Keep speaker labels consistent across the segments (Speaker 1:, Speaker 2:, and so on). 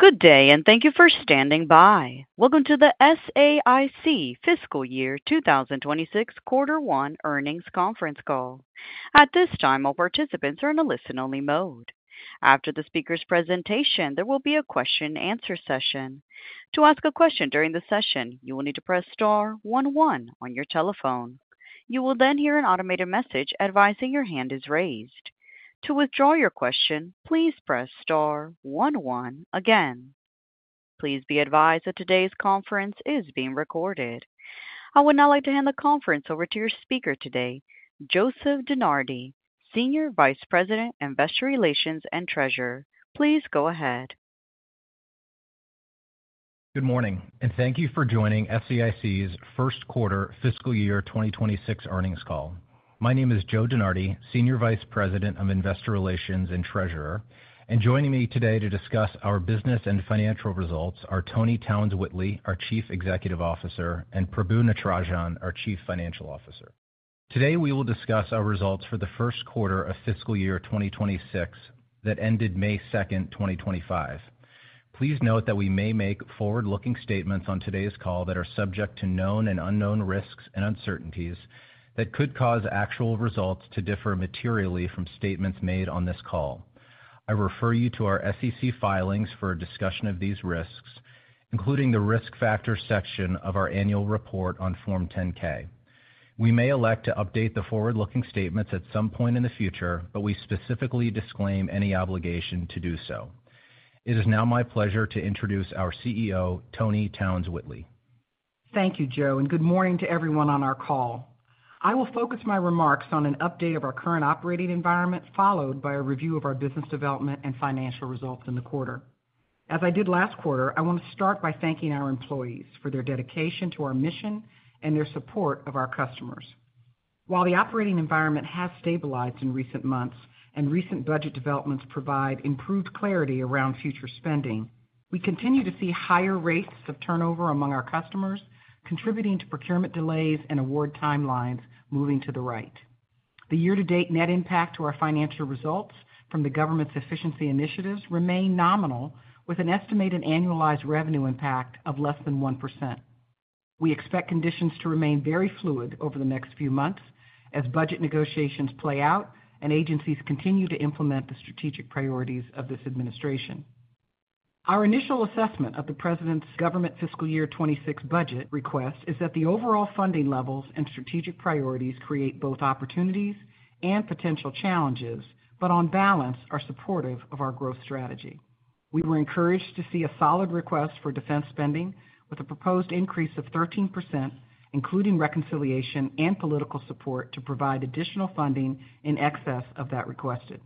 Speaker 1: Good day, and thank you for standing by. Welcome to the SAIC fiscal year 2026 quarter one earnings conference call. At this time, all participants are in a listen-only mode. After the speaker's presentation, there will be a question-and-answer session. To ask a question during the session, you will need to press star one one on your telephone. You will then hear an automated message advising your hand is raised. To withdraw your question, please press star one one again. Please be advised that today's conference is being recorded. I would now like to hand the conference over to your speaker today, Joseph DeNardi, Senior Vice President, Investor Relations and Treasurer. Please go ahead.
Speaker 2: Good morning, and thank you for joining SAIC's first quarter fiscal year 2026 earnings call. My name is Joe DeNardi, Senior Vice President of Investor Relations and Treasurer, and joining me today to discuss our business and financial results are Toni Towns-Whitley, our Chief Executive Officer, and Prabu Natarajan, our Chief Financial Officer. Today, we will discuss our results for the first quarter of fiscal year 2026 that ended May 2, 2025. Please note that we may make forward-looking statements on today's call that are subject to known and unknown risks and uncertainties that could cause actual results to differ materially from statements made on this call. I refer you to our SEC filings for a discussion of these risks, including the risk factor section of our annual report on Form 10-K. We may elect to update the forward-looking statements at some point in the future, but we specifically disclaim any obligation to do so. It is now my pleasure to introduce our CEO, Toni Townes-Whitley.
Speaker 3: Thank you, Joe, and good morning to everyone on our call. I will focus my remarks on an update of our current operating environment, followed by a review of our business development and financial results in the quarter. As I did last quarter, I want to start by thanking our employees for their dedication to our mission and their support of our customers. While the operating environment has stabilized in recent months and recent budget developments provide improved clarity around future spending, we continue to see higher rates of turnover among our customers, contributing to procurement delays and award timelines moving to the right. The year-to-date net impact to our financial results from the government's efficiency initiatives remains nominal, with an estimated annualized revenue impact of less than 1%. We expect conditions to remain very fluid over the next few months as budget negotiations play out and agencies continue to implement the strategic priorities of this administration. Our initial assessment of the President's government fiscal year 2026 budget request is that the overall funding levels and strategic priorities create both opportunities and potential challenges, but on balance are supportive of our growth strategy. We were encouraged to see a solid request for defense spending, with a proposed increase of 13%, including reconciliation and political support to provide additional funding in excess of that requested.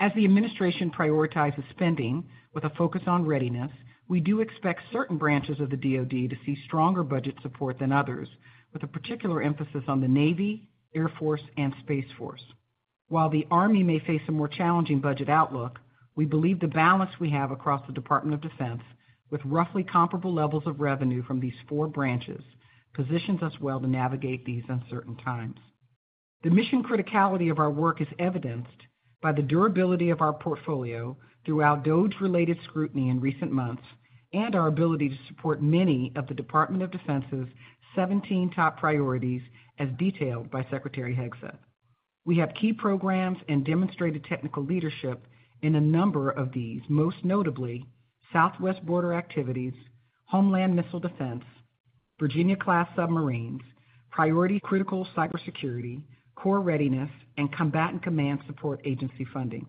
Speaker 3: As the administration prioritizes spending with a focus on readiness, we do expect certain branches of the DoD to see stronger budget support than others, with a particular emphasis on the Navy, Air Force, and Space Force. While the Army may face a more challenging budget outlook, we believe the balance we have across the Department of Defense, with roughly comparable levels of revenue from these four branches, positions us well to navigate these uncertain times. The mission criticality of our work is evidenced by the durability of our portfolio throughout DoW related scrutiny in recent months and our ability to support many of the Department of Defense's 17 top priorities, as detailed by Secretary Hegseth. We have key programs and demonstrated technical leadership in a number of these, most notably Southwest Border Activities, Homeland Missile Defense, Virginia-class submarines, priority critical cybersecurity, core readiness, and combatant command support agency funding.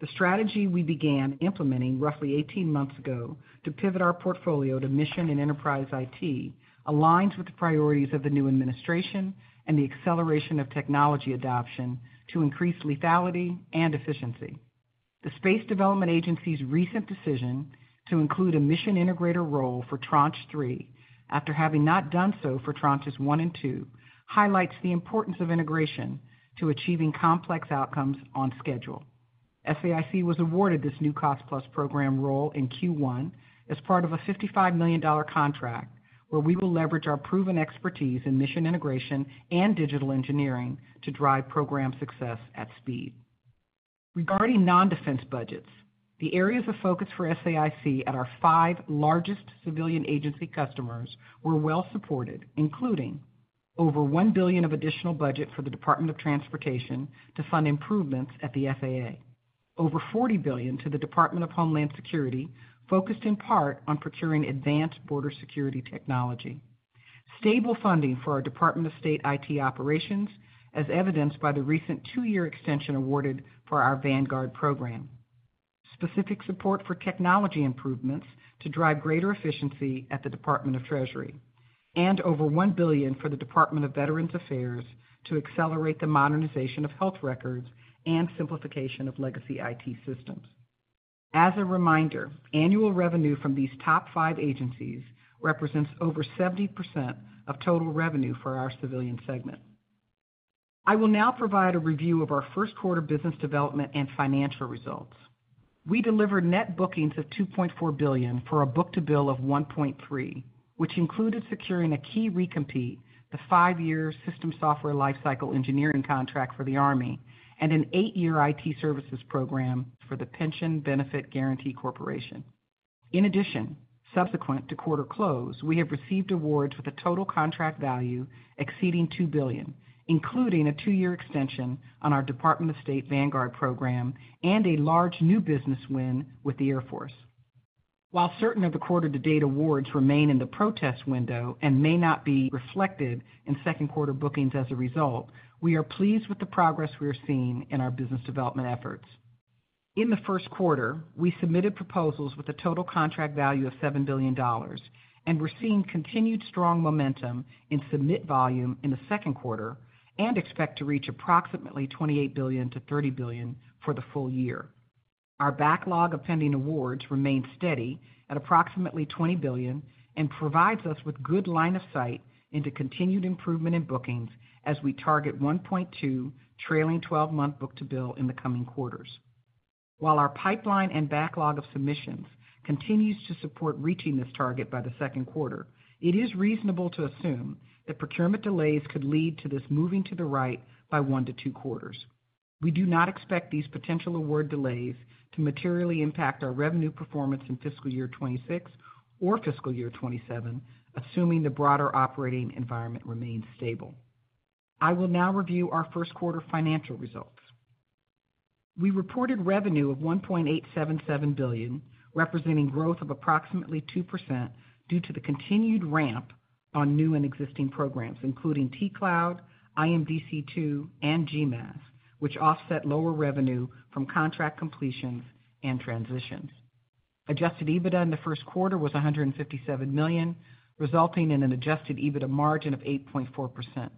Speaker 3: The strategy we began implementing roughly 18 months ago to pivot our portfolio to mission and enterprise IT aligns with the priorities of the new administration and the acceleration of technology adoption to increase lethality and efficiency. The Space Development Agency's recent decision to include a mission integrator role for Tranche 3, after having not done so for Tranches 1 and 2, highlights the importance of integration to achieving complex outcomes on schedule. SAIC was awarded this new Cost Plus Program role in Q1 as part of a $55 million contract, where we will leverage our proven expertise in mission integration and digital engineering to drive program success at speed. Regarding non-defense budgets, the areas of focus for SAIC at our five largest civilian agency customers were well supported, including over $1 billion of additional budget for the Department of Transportation to fund improvements at the FAA, over $40 billion to the Department of Homeland Security, focused in part on procuring advanced border security technology, stable funding for our Department of State IT operations, as evidenced by the recent two-year extension awarded for our Vanguard program, specific support for technology improvements to drive greater efficiency at the Department of Treasury, and over $1 billion for the Department of Veterans Affairs to accelerate the modernization of health records and simplification of legacy IT systems. As a reminder, annual revenue from these top five agencies represents over 70% of total revenue for our civilian segment. I will now provide a review of our first quarter business development and financial results. We delivered net bookings of $2.4 billion for a book-to-bill of 1.3, which included securing a key recompete, the five-year system software lifecycle engineering contract for the Army, and an eight-year IT services program for the Pension Benefit Guaranty Corporation. In addition, subsequent to quarter close, we have received awards with a total contract value exceeding $2 billion, including a two-year extension on our Department of State Vanguard program and a large new business win with the Air Force. While certain of the quarter-to-date awards remain in the protest window and may not be reflected in second quarter bookings as a result, we are pleased with the progress we are seeing in our business development efforts. In the first quarter, we submitted proposals with a total contract value of $7 billion, and we're seeing continued strong momentum in submit volume in the second quarter and expect to reach approximately $28 billion-$30 billion for the full year. Our backlog of pending awards remains steady at approximately $20 billion and provides us with good line of sight into continued improvement in bookings as we target 1.2, trailing 12-month book-to-bill in the coming quarters. While our pipeline and backlog of submissions continues to support reaching this target by the second quarter, it is reasonable to assume that procurement delays could lead to this moving to the right by one to two quarters. We do not expect these potential award delays to materially impact our revenue performance in fiscal year 2026 or fiscal year 2027, assuming the broader operating environment remains stable. I will now review our first quarter financial results. We reported revenue of $1.877 billion, representing growth of approximately 2% due to the continued ramp on new and existing programs, including TCloud, IMDC2, and GMAS, which offset lower revenue from contract completions and transitions. Adjusted EBITDA in the first quarter was $157 million, resulting in an adjusted EBITDA margin of 8.4%.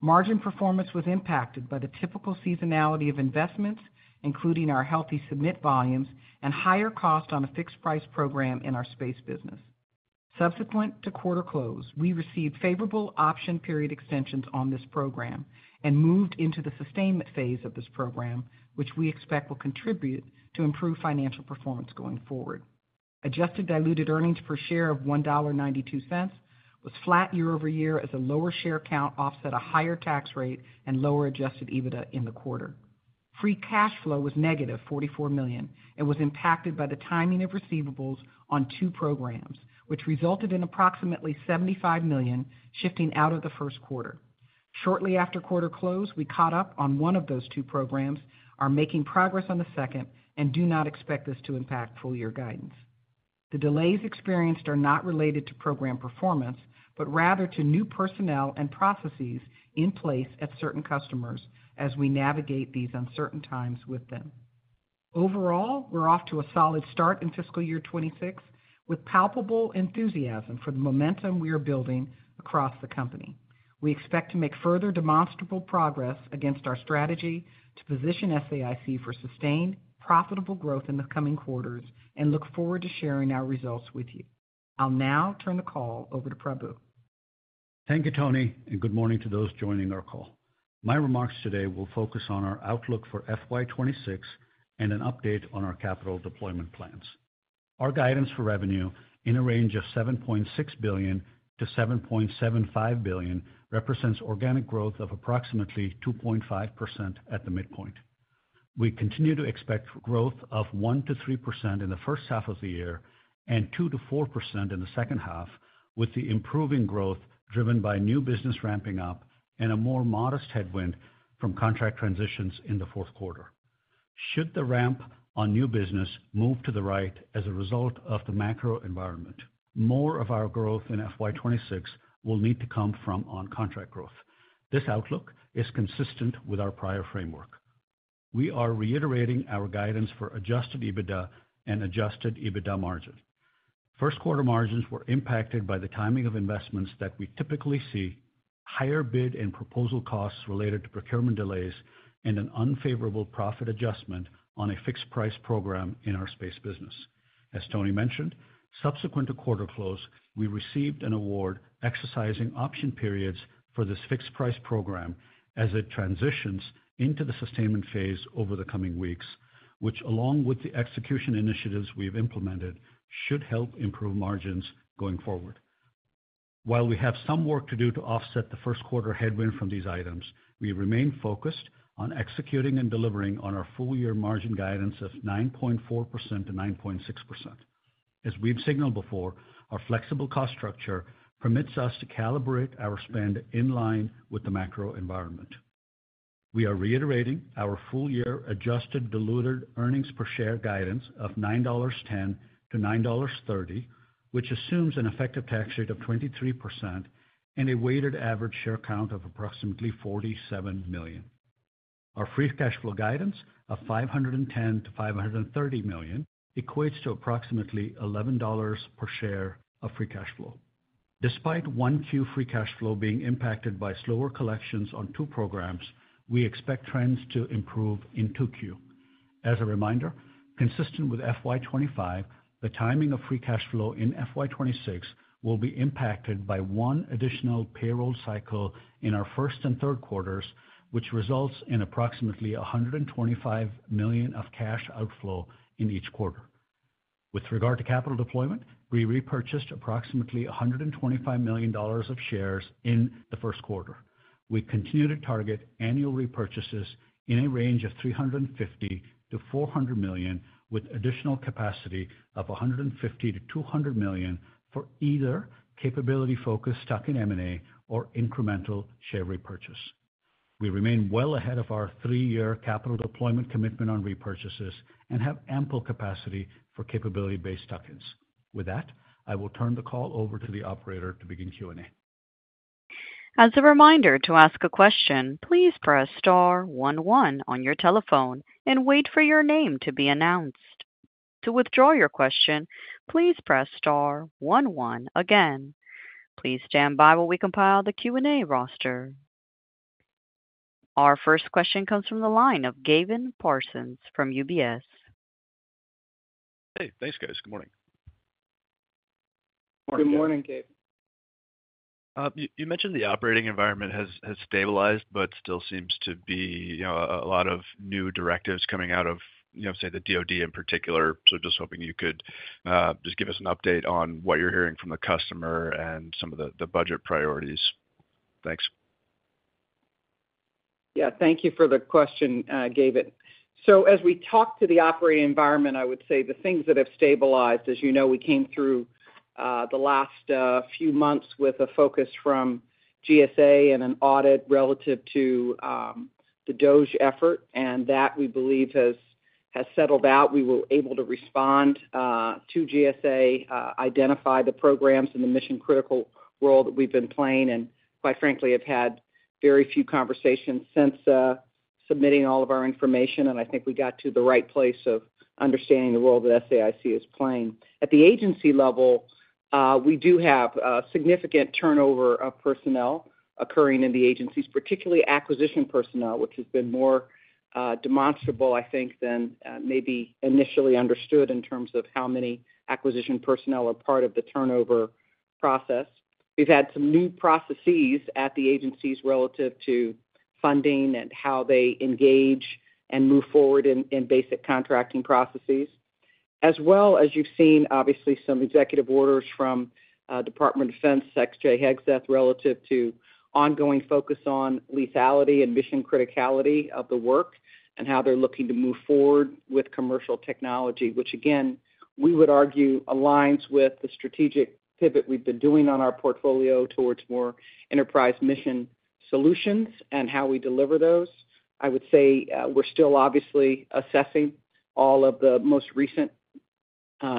Speaker 3: Margin performance was impacted by the typical seasonality of investments, including our healthy submit volumes and higher cost on a fixed-price program in our space business. Subsequent to quarter close, we received favorable option period extensions on this program and moved into the sustainment phase of this program, which we expect will contribute to improved financial performance going forward. Adjusted diluted earnings per share of $1.92 was flat year-over-year as a lower share count offset a higher tax rate and lower adjusted EBITDA in the quarter. Free cash flow was- $44 million and was impacted by the timing of receivables on two programs, which resulted in approximately $75 million shifting out of the first quarter. Shortly after quarter close, we caught up on one of those two programs, are making progress on the second, and do not expect this to impact full-year guidance. The delays experienced are not related to program performance, but rather to new personnel and processes in place at certain customers as we navigate these uncertain times with them. Overall, we're off to a solid start in fiscal year 2026 with palpable enthusiasm for the momentum we are building across the company. We expect to make further demonstrable progress against our strategy to position SAIC for sustained profitable growth in the coming quarters and look forward to sharing our results with you. I'll now turn the call over to Prabu.
Speaker 4: Thank you, Toni, and good morning to those joining our call. My remarks today will focus on our outlook for FY 2026 and an update on our capital deployment plans. Our guidance for revenue in a range of $7.6 billion-$7.75 billion represents organic growth of approximately 2.5% at the midpoint. We continue to expect growth of 1%-3% in the first half of the year and 2%-4% in the second half, with the improving growth driven by new business ramping up and a more modest headwind from contract transitions in the fourth quarter. Should the ramp on new business move to the right as a result of the macro environment, more of our growth in FY 2026 will need to come from on-contract growth. This outlook is consistent with our prior framework. We are reiterating our guidance for Adjusted EBITDA and Adjusted EBITDA margin. First quarter margins were impacted by the timing of investments that we typically see, higher bid and proposal costs related to procurement delays, and an unfavorable profit adjustment on a fixed-price program in our space business. As Toni mentioned, subsequent to quarter close, we received an award exercising option periods for this fixed-price program as it transitions into the sustainment phase over the coming weeks, which, along with the execution initiatives we have implemented, should help improve margins going forward. While we have some work to do to offset the first quarter headwind from these items, we remain focused on executing and delivering on our full-year margin guidance of 9.4%-9.6%. As we've signaled before, our flexible cost structure permits us to calibrate our spend in line with the macro environment. We are reiterating our full-year adjusted diluted earnings per share guidance of $9.10-$9.30, which assumes an effective tax rate of 23% and a weighted average share count of approximately 47 million. Our free cash flow guidance of $510 million-$530 million equates to approximately $11 per share of free cash flow. Despite one Q free cash flow being impacted by slower collections on two programs, we expect trends to improve in 2Q. As a reminder, consistent with FY 2025, the timing of free cash flow in FY 2026 will be impacted by one additional payroll cycle in our first and third quarters, which results in approximately $125 million of cash outflow in each quarter. With regard to capital deployment, we repurchased approximately $125 million of shares in the first quarter. We continue to target annual repurchases in a range of $350 million-$400 million, with additional capacity of $150 million-$200 million for either capability-focused stock in M&A or incremental share repurchase. We remain well ahead of our three-year capital deployment commitment on repurchases and have ample capacity for capability-based stock-ins. With that, I will turn the call over to the operator to begin Q&A.
Speaker 1: As a reminder to ask a question, please press star 11 on your telephone and wait for your name to be announced. To withdraw your question, please press star 11 again. Please stand by while we compile the Q&A roster. Our first question comes from the line of Gavin Parsons from UBS.
Speaker 5: Hey, thanks, guys. Good morning.
Speaker 3: Good morning, Gavin.
Speaker 5: You mentioned the operating environment has stabilized, but still seems to be a lot of new directives coming out of, say, the DOD in particular. Just hoping you could just give us an update on what you're hearing from the customer and some of the budget priorities. Thanks.
Speaker 3: Yeah, thank you for the question, Gavin. As we talk to the operating environment, I would say the things that have stabilized, as you know, we came through the last few months with a focus from GSA and an audit relative to the DOGE effort, and that we believe has settled out. We were able to respond to GSA, identify the programs in the mission-critical role that we've been playing, and quite frankly, have had very few conversations since submitting all of our information, and I think we got to the right place of understanding the role that SAIC is playing. At the agency level, we do have a significant turnover of personnel occurring in the agencies, particularly acquisition personnel, which has been more demonstrable, I think, than maybe initially understood in terms of how many acquisition personnel are part of the turnover process. We've had some new processes at the agencies relative to funding and how they engage and move forward in basic contracting processes, as well as you've seen, obviously, some executive orders from Department of Defense, such as Jay Hegseth, relative to ongoing focus on lethality and mission criticality of the work and how they're looking to move forward with commercial technology, which, again, we would argue aligns with the strategic pivot we've been doing on our portfolio towards more enterprise mission solutions and how we deliver those. I would say we're still obviously assessing all of the most recent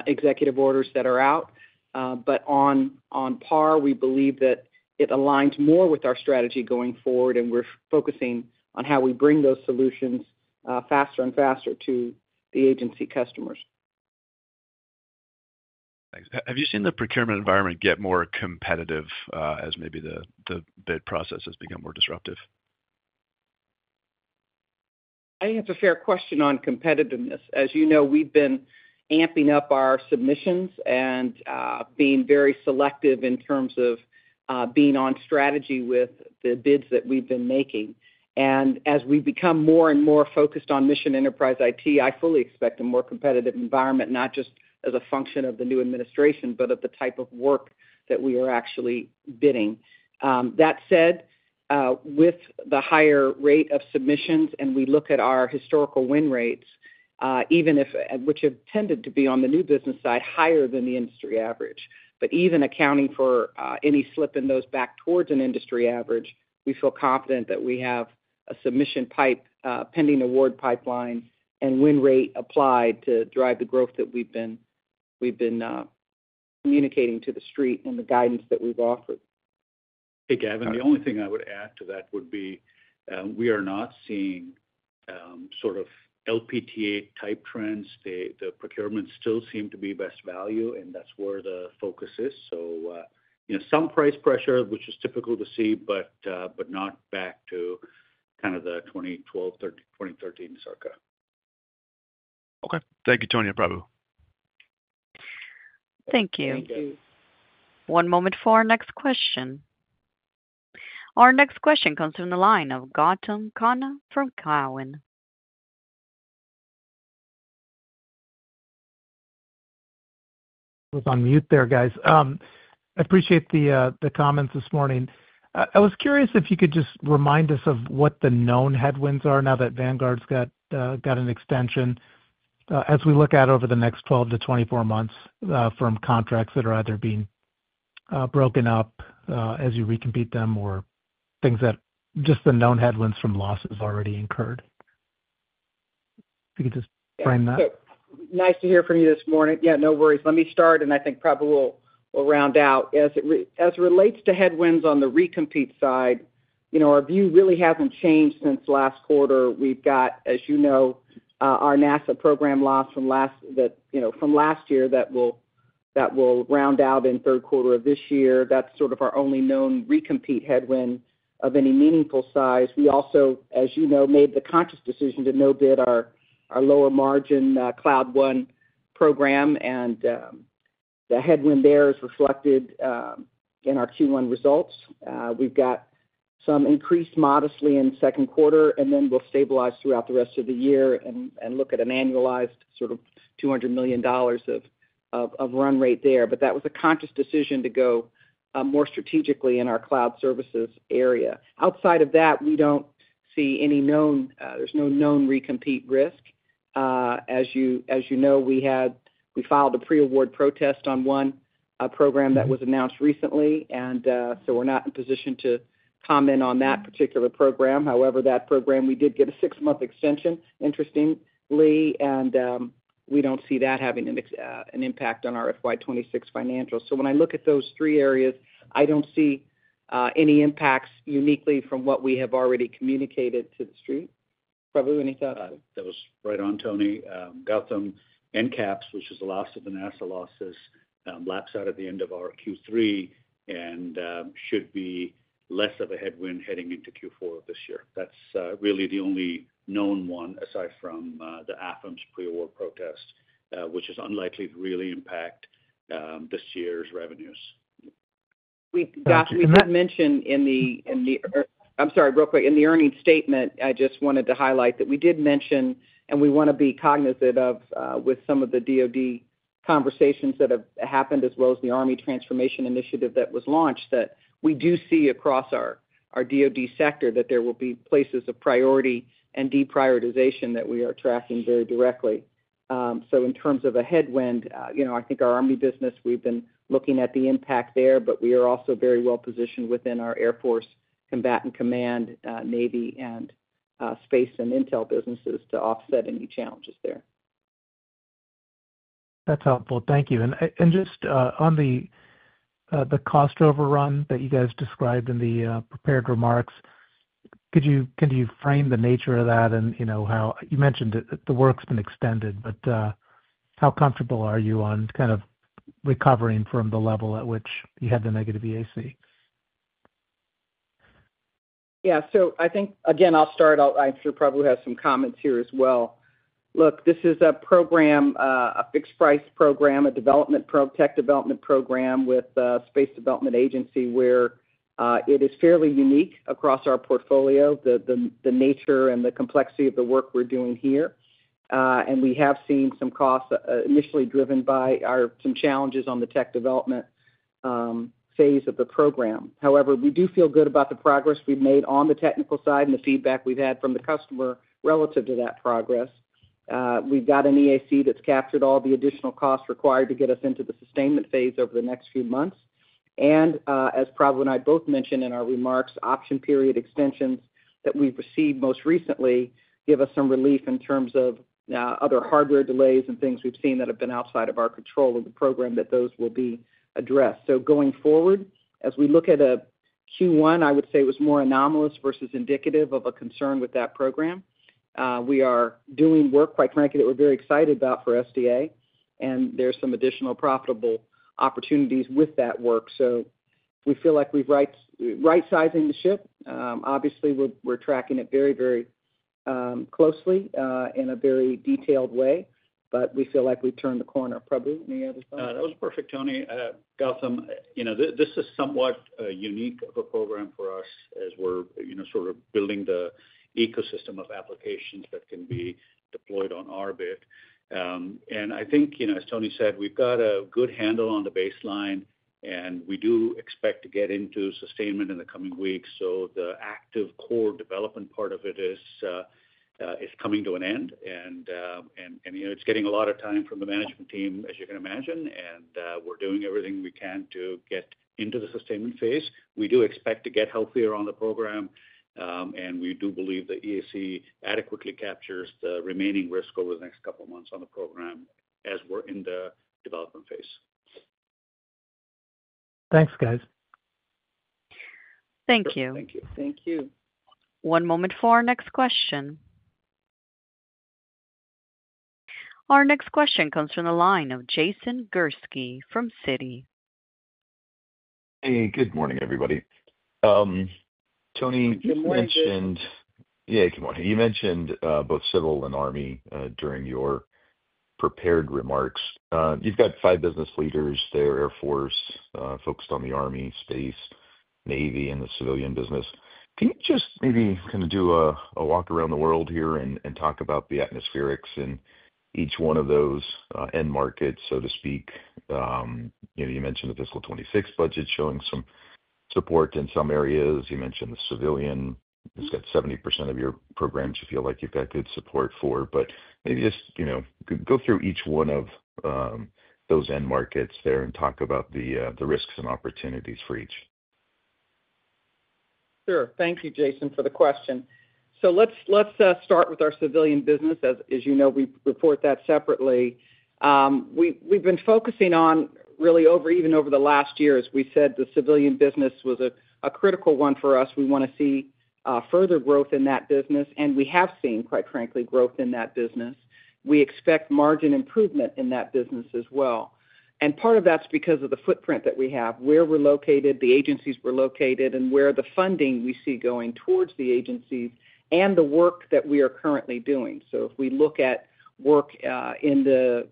Speaker 3: executive orders that are out, but on par, we believe that it aligns more with our strategy going forward, and we're focusing on how we bring those solutions faster and faster to the agency customers.
Speaker 5: Thanks. Have you seen the procurement environment get more competitive as maybe the bid process has become more disruptive?
Speaker 3: I think that's a fair question on competitiveness. As you know, we've been amping up our submissions and being very selective in terms of being on strategy with the bids that we've been making. As we become more and more focused on mission enterprise IT, I fully expect a more competitive environment, not just as a function of the new administration, but of the type of work that we are actually bidding. That said, with the higher rate of submissions and we look at our historical win rates, which have tended to be on the new business side higher than the industry average, but even accounting for any slip in those back towards an industry average, we feel confident that we have a submission pipe, pending award pipeline, and win rate applied to drive the growth that we've been communicating to the street and the guidance that we've offered.
Speaker 4: Hey, Gavin, the only thing I would add to that would be we are not seeing sort of LPTA-type trends. The procurement still seem to be best value, and that's where the focus is. Some price pressure, which is typical to see, but not back to kind of the 2012, 2013 CCAR.
Speaker 5: Okay. Thank you, Toni, and Prabu.
Speaker 1: Thank you.
Speaker 3: Thank you.
Speaker 1: One moment for our next question. Our next question comes from the line of Gautam Khanna from Cowen.
Speaker 6: I was on mute there, guys. I appreciate the comments this morning. I was curious if you could just remind us of what the known headwinds are now that Vanguard's got an extension as we look at over the next 12-24 months from contracts that are either being broken up as you recompete them or things that just the known headwinds from losses already incurred. If you could just frame that.
Speaker 3: Nice to hear from you this morning. Yeah, no worries. Let me start, and I think Prabu will round out. As it relates to headwinds on the recompete side, our view really hasn't changed since last quarter. We've got, as you know, our NASA program loss from last year that will round out in third quarter of this year. That's sort of our only known recompete headwind of any meaningful size. We also, as you know, made the conscious decision to no-bid our lower margin Cloud One program, and the headwind there is reflected in our Q1 results. We've got some increased modestly in second quarter, and then we'll stabilize throughout the rest of the year and look at an annualized sort of $200 million of run rate there. That was a conscious decision to go more strategically in our cloud services area. Outside of that, we do not see any known, there is no known recompete risk. As you know, we filed a pre-award protest on one program that was announced recently, and we are not in position to comment on that particular program. However, that program, we did get a six-month extension, interestingly, and we do not see that having an impact on our FY 2026 financials. When I look at those three areas, I do not see any impacts uniquely from what we have already communicated to the street. Prabu, any thought?
Speaker 4: That was right on, Toni. Gautam and CAPS, which is the last of the NASA losses, laps out at the end of our Q3 and should be less of a headwind heading into Q4 of this year. That's really the only known one aside from the Athams pre-award protest, which is unlikely to really impact this year's revenues.
Speaker 3: We did mention in the—I'm sorry, real quick, in the earnings statement, I just wanted to highlight that we did mention, and we want to be cognizant of with some of the DOD conversations that have happened, as well as the Army Transformation Initiative that was launched, that we do see across our DOD sector that there will be places of priority and deprioritization that we are tracking very directly. In terms of a headwind, I think our Army business, we've been looking at the impact there, but we are also very well positioned within our Air Force, Combat and Command, Navy, and Space and Intel businesses to offset any challenges there.
Speaker 6: That's helpful. Thank you. Just on the cost overrun that you guys described in the prepared remarks, can you frame the nature of that and how you mentioned that the work's been extended, but how comfortable are you on kind of recovering from the level at which you had the negative EAC?
Speaker 3: Yeah. I think, again, I'll start off. I'm sure Prabu has some comments here as well. Look, this is a program, a fixed-price program, a development, tech development program with the Space Development Agency where it is fairly unique across our portfolio, the nature and the complexity of the work we're doing here. We have seen some costs initially driven by some challenges on the tech development phase of the program. However, we do feel good about the progress we've made on the technical side and the feedback we've had from the customer relative to that progress. We've got an EAC that's captured all the additional costs required to get us into the sustainment phase over the next few months. As Prabu and I both mentioned in our remarks, option period extensions that we've received most recently give us some relief in terms of other hardware delays and things we've seen that have been outside of our control of the program that those will be addressed. Going forward, as we look at a Q1, I would say it was more anomalous versus indicative of a concern with that program. We are doing work, quite frankly, that we're very excited about for SDA, and there's some additional profitable opportunities with that work. We feel like we're right-sizing the ship. Obviously, we're tracking it very, very closely in a very detailed way, but we feel like we've turned the corner. Prabu, any other thoughts?
Speaker 4: That was perfect, Toni. Gautam, this is somewhat unique of a program for us as we're sort of building the ecosystem of applications that can be deployed on our bit. I think, as Toni said, we've got a good handle on the baseline, and we do expect to get into sustainment in the coming weeks. The active core development part of it is coming to an end, and it's getting a lot of time from the management team, as you can imagine, and we're doing everything we can to get into the sustainment phase. We do expect to get healthier on the program, and we do believe the EAC adequately captures the remaining risk over the next couple of months on the program as we're in the development phase.
Speaker 6: Thanks, guys.
Speaker 1: Thank you.
Speaker 3: Thank you. Thank you.
Speaker 1: One moment for our next question. Our next question comes from the line of Jason Gursky from Citi.
Speaker 7: Hey, good morning, everybody. Toni, you mentioned—yeah, good morning. You mentioned both civil and Army during your prepared remarks. You've got five business leaders there, Air Force, focused on the Army, space, Navy, and the civilian business. Can you just maybe kind of do a walk around the world here and talk about the atmospherics in each one of those end markets, so to speak? You mentioned the fiscal 2026 budget showing some support in some areas. You mentioned the civilian. It's got 70% of your programs you feel like you've got good support for. Maybe just go through each one of those end markets there and talk about the risks and opportunities for each.
Speaker 3: Sure. Thank you, Jason, for the question. Let's start with our civilian business. As you know, we report that separately. We've been focusing on, really, even over the last year, as we said, the civilian business was a critical one for us. We want to see further growth in that business, and we have seen, quite frankly, growth in that business. We expect margin improvement in that business as well. Part of that's because of the footprint that we have, where we're located, the agencies we're located, and where the funding we see going towards the agencies and the work that we are currently doing. If we look at work in the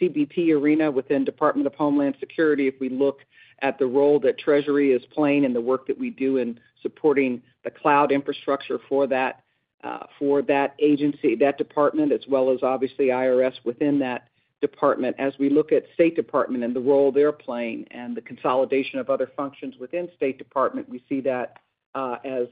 Speaker 3: CBP arena within Department of Homeland Security, if we look at the role that Treasury is playing and the work that we do in supporting the Cloud Infrastructure for that agency, that department, as well as, obviously, IRS within that department. As we look at State Department and the role they're playing and the consolidation of other functions within State Department, we see that as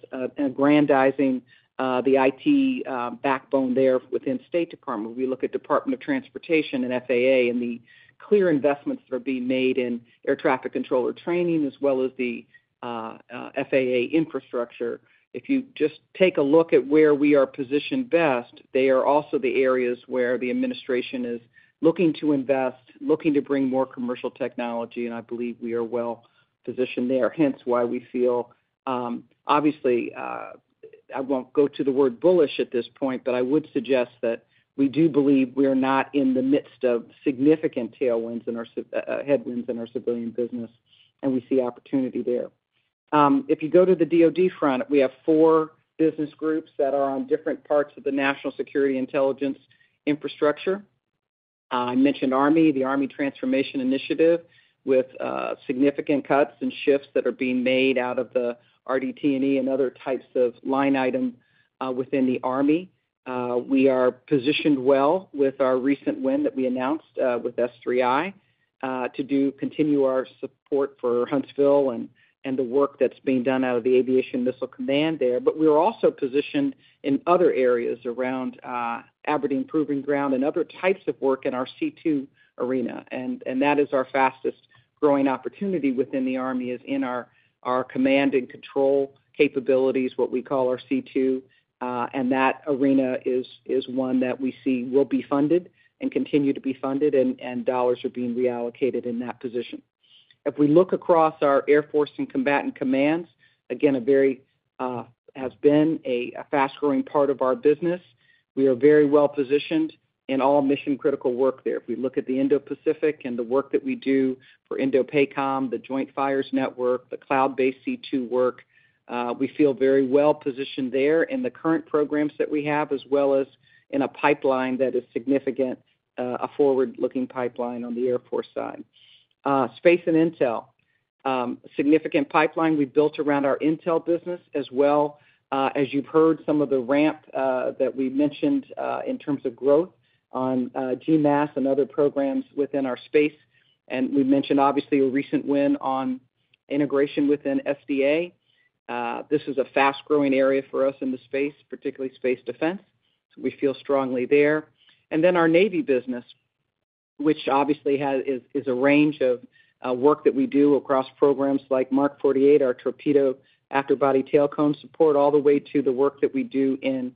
Speaker 3: grandizing the IT backbone there within State Department. We look at Department of Transportation and FAA and the clear investments that are being made in air traffic controller training, as well as the FAA infrastructure. If you just take a look at where we are positioned best, they are also the areas where the administration is looking to invest, looking to bring more commercial technology, and I believe we are well positioned there. Hence why we feel, obviously, I won't go to the word bullish at this point, but I would suggest that we do believe we are not in the midst of significant tailwinds and headwinds in our civilian business, and we see opportunity there. If you go to the DOD front, we have four business groups that are on different parts of the national security intelligence infrastructure. I mentioned Army, the Army Transformation Initiative, with significant cuts and shifts that are being made out of the RDT&E and other types of line item within the Army. We are positioned well with our recent win that we announced with S3I to continue our support for Huntsville and the work that's being done out of the Aviation Missile Command there. We are also positioned in other areas around Aberdeen Proving Ground and other types of work in our C2 arena. That is our fastest growing opportunity within the Army is in our command and control capabilities, what we call our C2. That arena is one that we see will be funded and continue to be funded, and dollars are being reallocated in that position. If we look across our Air Force and Combatant Commands, again, it has been a fast-growing part of our business. We are very well positioned in all mission-critical work there. If we look at the Indo-Pacific and the work that we do for Indo-PACOM, the Joint Fires Network, the cloud-based C2 work, we feel very well positioned there in the current programs that we have, as well as in a pipeline that is significant, a forward-looking pipeline on the Air Force side. Space and Intel, significant pipeline we have built around our Intel business, as well as you have heard some of the ramp that we mentioned in terms of growth on GMAS and other programs within our space. We mentioned, obviously, a recent win on integration within SDA. This is a fast-growing area for us in the space, particularly space defense. We feel strongly there. Then our navy business, which obviously is a range of work that we do across programs like Mark 48, our torpedo after-body tailcone support, all the way to the work that we do in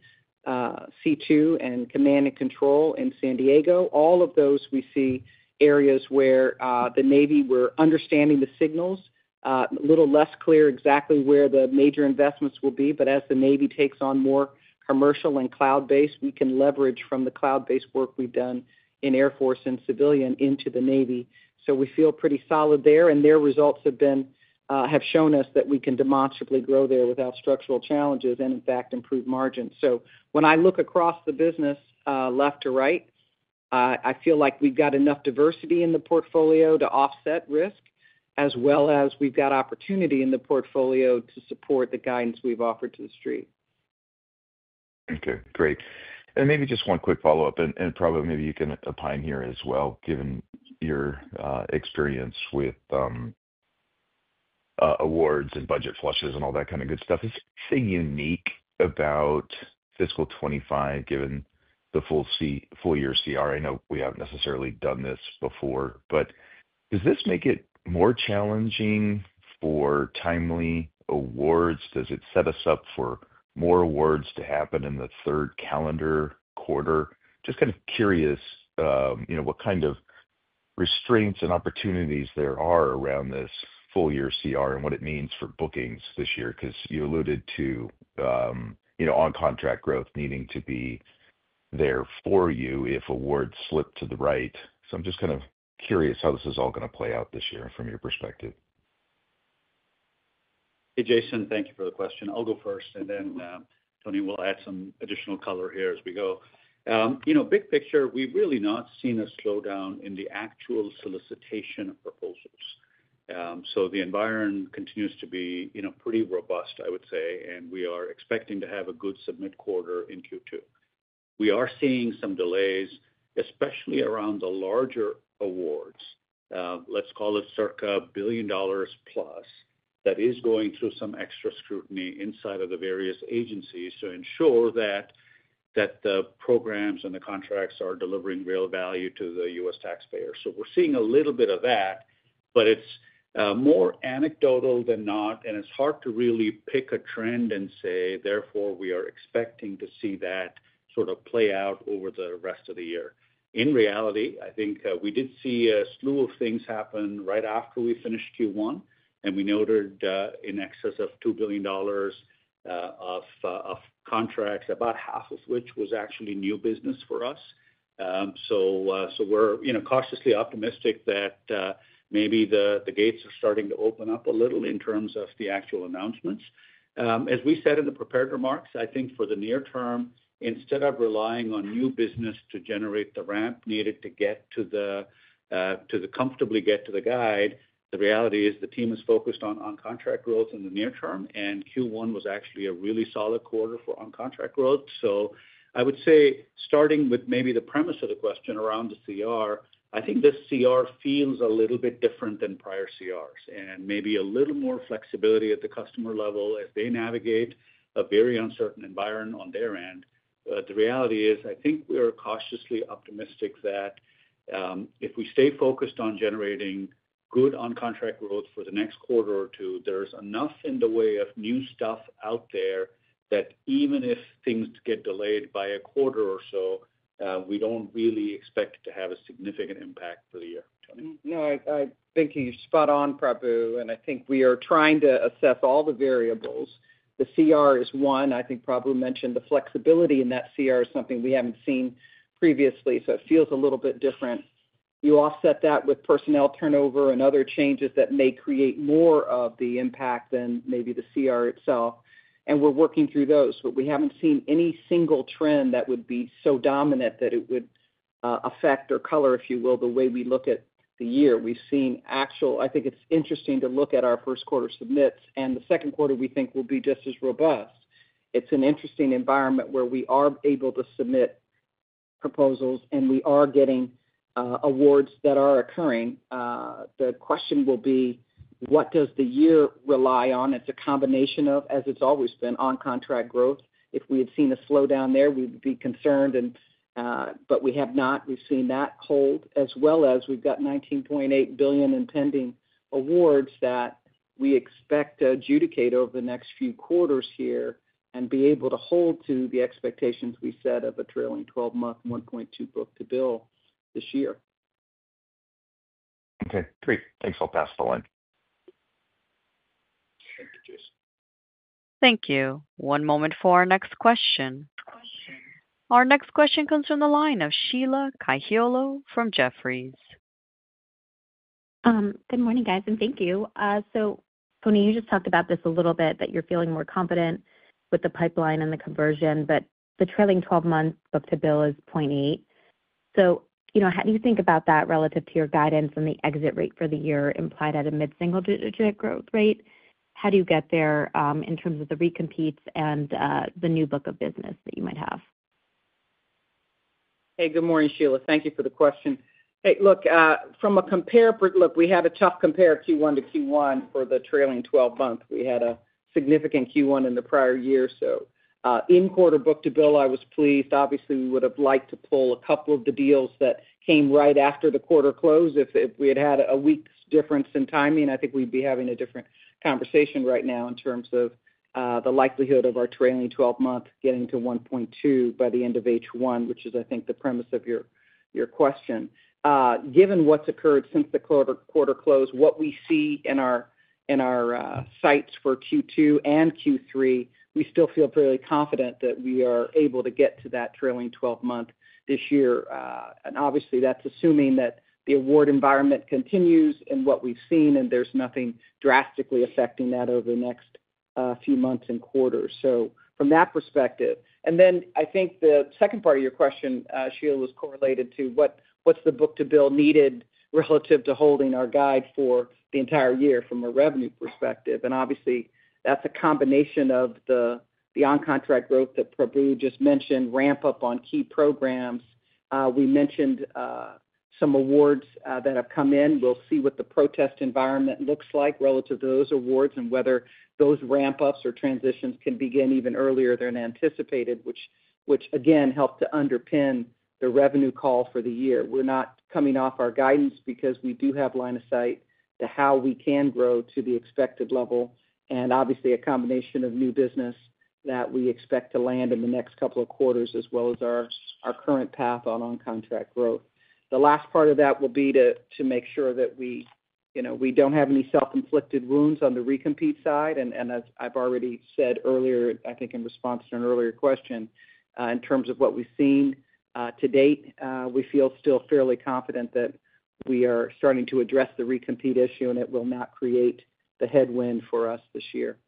Speaker 3: C2 and command and control in San Diego. All of those, we see areas where the navy were understanding the signals, a little less clear exactly where the major investments will be. As the Navy takes on more commercial and cloud-based, we can leverage from the cloud-based work we've done in Air Force and civilian into the Navy. We feel pretty solid there, and their results have shown us that we can demonstrably grow there without structural challenges and, in fact, improve margins. When I look across the business left to right, I feel like we've got enough diversity in the portfolio to offset risk, as well as we've got opportunity in the portfolio to support the guidance we've offered to the street.
Speaker 7: Okay. Great. Maybe just one quick follow-up, and probably maybe you can opine here as well, given your experience with awards and budget flushes and all that kind of good stuff. Is there anything unique about fiscal 2025, given the full-year Continuing Resolution? I know we have not necessarily done this before, but does this make it more challenging for timely awards? Does it set us up for more awards to happen in the third calendar quarter? Just kind of curious what kind of restraints and opportunities there are around this full-year Continuing Resolution and what it means for bookings this year, because you alluded to on-contract growth needing to be there for you if awards slip to the right. I am just kind of curious how this is all going to play out this year from your perspective.
Speaker 4: Hey, Jason, thank you for the question. I'll go first, and then Toni will add some additional color here as we go. Big picture, we've really not seen a slowdown in the actual solicitation proposals. The environment continues to be pretty robust, I would say, and we are expecting to have a good submit quarter in Q2. We are seeing some delays, especially around the larger awards. Let's call it CCAR $1 billion+ that is going through some extra scrutiny inside of the various agencies to ensure that the programs and the contracts are delivering real value to the U.S. taxpayers. We are seeing a little bit of that, but it's more anecdotal than not, and it's hard to really pick a trend and say, therefore, we are expecting to see that sort of play out over the rest of the year. In reality, I think we did see a slew of things happen right after we finished Q1, and we noted in excess of $2 billion of contracts, about half of which was actually new business for us. So we're cautiously optimistic that maybe the gates are starting to open up a little in terms of the actual announcements. As we said in the prepared remarks, I think for the near term, instead of relying on new business to generate the ramp needed to comfortably get to the guide, the reality is the team is focused on on-contract growth in the near term, and Q1 was actually a really solid quarter for on-contract growth. I would say, starting with maybe the premise of the question around the CR, I think this CR feels a little bit different than prior CRs and maybe a little more flexibility at the customer level as they navigate a very uncertain environment on their end. The reality is, I think we are cautiously optimistic that if we stay focused on generating good on-contract growth for the next quarter or two, there's enough in the way of new stuff out there that even if things get delayed by a quarter or so, we don't really expect to have a significant impact for the year.
Speaker 3: No, I think you're spot on, Prabu, and I think we are trying to assess all the variables. The CR is one. I think Prabu mentioned the flexibility in that CR is something we haven't seen previously, so it feels a little bit different. You offset that with personnel turnover and other changes that may create more of the impact than maybe the CR itself. We are working through those, but we haven't seen any single trend that would be so dominant that it would affect or color, if you will, the way we look at the year. We've seen actual—I think it's interesting to look at our first quarter submits, and the second quarter we think will be just as robust. It's an interesting environment where we are able to submit proposals, and we are getting awards that are occurring. The question will be, what does the year rely on? It's a combination of, as it's always been, on-contract growth. If we had seen a slowdown there, we would be concerned, but we have not. We've seen that hold, as well as we've got $19.8 billion in pending awards that we expect to adjudicate over the next few quarters here and be able to hold to the expectations we set of a trailing 12-month 1.2 book-to-bill this year.
Speaker 7: Okay. Great. Thanks. I'll pass the line.
Speaker 3: Thank you, Jason.
Speaker 1: Thank you. One moment for our next question. Our next question comes from the line of Sheila Kahyaoglu from Jefferies.
Speaker 8: Good morning, guys, and thank you. Toni, you just talked about this a little bit, that you're feeling more confident with the pipeline and the conversion, but the trailing 12-month book-to-bill is 0.8. How do you think about that relative to your guidance on the exit rate for the year implied at a mid-single digit growth rate? How do you get there in terms of the recompetes and the new book of business that you might have?
Speaker 3: Hey, good morning, Sheila. Thank you for the question. Hey, look, from a compare—look, we had a tough compare Q1 to Q1 for the trailing 12 months. We had a significant Q1 in the prior year. So in quarter book-to-bill, I was pleased. Obviously, we would have liked to pull a couple of the deals that came right after the quarter close. If we had had a week's difference in timing, I think we'd be having a different conversation right now in terms of the likelihood of our trailing 12 months getting to 1.2 by the end of H1, which is, I think, the premise of your question. Given what's occurred since the quarter close, what we see in our sights for Q2 and Q3, we still feel fairly confident that we are able to get to that trailing 12-month this year. Obviously, that's assuming that the award environment continues in what we've seen, and there's nothing drastically affecting that over the next few months and quarters. From that perspective. I think the second part of your question, Sheila, was correlated to what's the book-to-bill needed relative to holding our guide for the entire year from a revenue perspective. Obviously, that's a combination of the on-contract growth that Prabu just mentioned, ramp-up on key programs. We mentioned some awards that have come in. We'll see what the protest environment looks like relative to those awards and whether those ramp-ups or transitions can begin even earlier than anticipated, which, again, helped to underpin the revenue call for the year. We're not coming off our guidance because we do have line of sight to how we can grow to the expected level, and, obviously, a combination of new business that we expect to land in the next couple of quarters, as well as our current path on on-contract growth. The last part of that will be to make sure that we do not have any self-inflicted wounds on the recompete side. As I have already said earlier, I think in response to an earlier question, in terms of what we have seen to date, we feel still fairly confident that we are starting to address the recompete issue, and it will not create the headwind for us this year.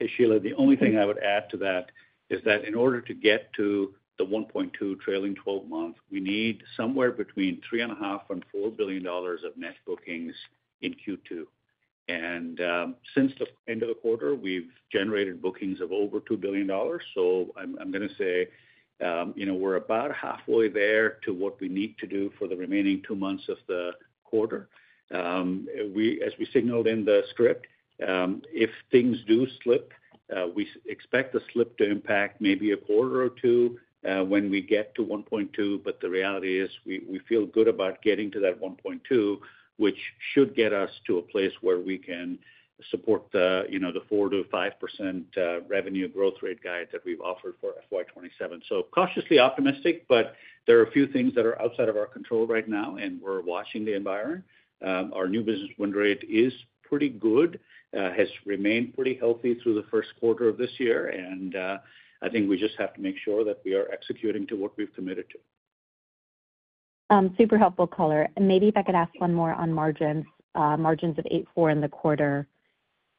Speaker 4: Hey, Sheila, the only thing I would add to that is that in order to get to the 1.2 trailing 12 months, we need somewhere between $3.5 billion-$4 billion of net bookings in Q2. Since the end of the quarter, we've generated bookings of over $2 billion. I'm going to say we're about halfway there to what we need to do for the remaining two months of the quarter. As we signaled in the script, if things do slip, we expect the slip to impact maybe a quarter or two when we get to 1.2. The reality is we feel good about getting to that 1.2, which should get us to a place where we can support the 4%-5% revenue growth rate guide that we've offered for FY 2027. Cautiously optimistic, but there are a few things that are outside of our control right now, and we're watching the environment. Our new business win rate is pretty good, has remained pretty healthy through the first quarter of this year, and I think we just have to make sure that we are executing to what we've committed to.
Speaker 8: Super helpful, Color. Maybe if I could ask one more on margins. Margins of 8.4 in the quarter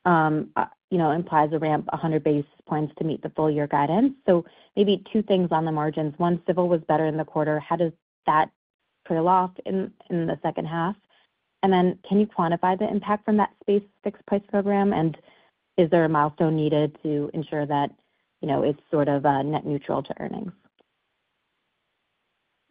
Speaker 8: implies a ramp of 100 basis points to meet the full-year guidance. Maybe two things on the margins. One, civil was better in the quarter. How does that trail off in the second half? Can you quantify the impact from that space fixed-price program? Is there a milestone needed to ensure that it is sort of net neutral to earnings?